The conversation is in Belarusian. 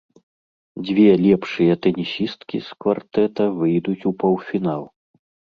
Дзве лепшыя тэнісісткі з квартэта выйдуць у паўфінал.